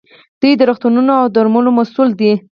دوی د روغتونونو او درملو مسوول دي.